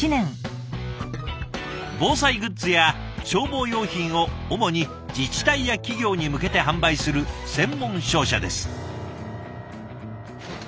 防災グッズや消防用品を主に自治体や企業に向けて販売する専門商社です。